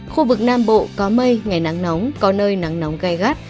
khu vực nam bộ có mây ngày nắng nóng có nơi nắng nóng gai gắt